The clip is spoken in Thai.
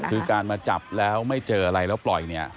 คือการมาจับแล้วไม่เจออะไรแล้วปล่อยเนี่ย